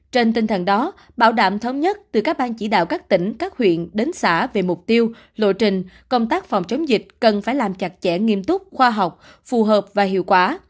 trên tinh thần đó bảo đảm thống nhất từ các ban chỉ đạo các tỉnh các huyện đến xã về mục tiêu lộ trình công tác phòng chống dịch cần phải làm chặt chẽ nghiêm túc khoa học phù hợp và hiệu quả